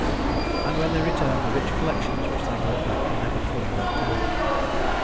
And when they returned, the rich collections which they brought back were never fully worked out.